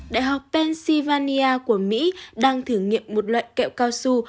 đại học pennsylvania của mỹ đang thử nghiệm một loại kẹo cao su